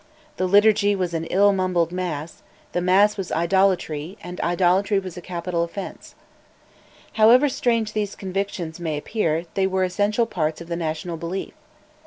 The Liturgy was "an ill mumbled Mass," the Mass was idolatry, and idolatry was a capital offence. However strange these convictions may appear, they were essential parts of the national belief.